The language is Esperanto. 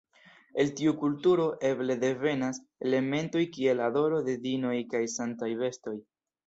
El tiu kulturo eble devenas elementoj kiel adoro de diinoj kaj sanktaj bestoj.